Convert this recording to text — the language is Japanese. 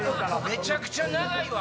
めちゃくちゃ長いわ！